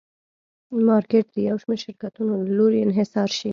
مارکېټ د یو شمېر شرکتونو له لوري انحصار شي.